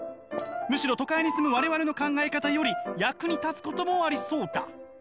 むしろ都会に住む我々の考え方より役に立つこともありそうだ」。